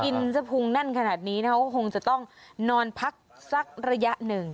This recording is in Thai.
สะพุงแน่นขนาดนี้นะคะก็คงจะต้องนอนพักสักระยะหนึ่ง